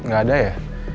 gak ada ya